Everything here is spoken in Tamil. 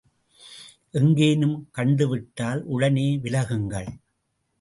எங்கேனும் கண்டு விட்டால் உடனே விலகுங்கள்.